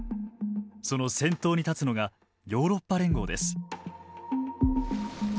その先頭に立つのがヨーロッパ連合です。